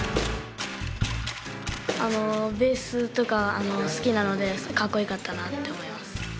ベースとか好きなのでかっこよかったなって思います。